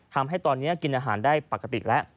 ทำให้ตอนนี้กินอาหารได้ปกติแล้ว